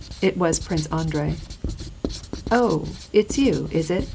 It was Prince Andrei. << Oh, it's you, is it